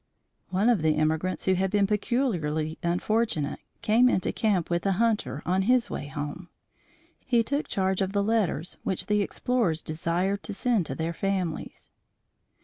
One of the emigrants who had been peculiarly unfortunate, came into camp with a hunter on his way home. He took charge of the letters which the explorers desired to send to their families.